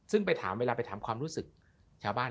ซึ่งไปถามเวลาไปถามความรู้สึกชาวบ้าน